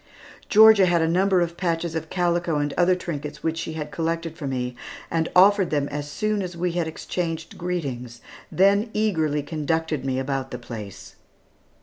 Georgia had a number of patches of calico and other trinkets which she had collected for me, and offered them as soon as we had exchanged greetings, then eagerly conducted me about the place.